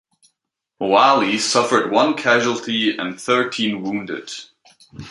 "Moale" suffered one casualty and thirteen wounded.